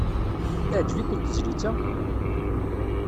Teɛjeb-iken tezlit-a?